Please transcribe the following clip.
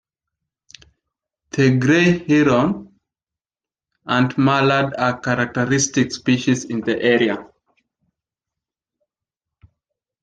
The grey heron and mallard are characteristic species in the area.